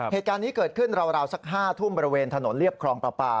เหตุการณ์นี้เกิดขึ้นราวสัก๕ทุ่มบริเวณถนนเรียบครองประปา